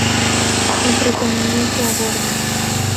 Entretenimiento a bordo.